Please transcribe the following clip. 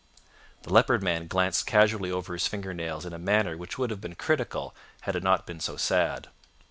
The Leopard Man glanced casually over his finger nails in a manner which would have been critical had it not been so sad.